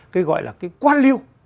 cái gọi là cái quan liêu